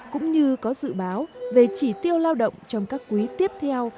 cũng như có dự báo về chỉ tiêu lao động trong các quý tiếp theo